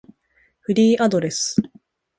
フリーアドレス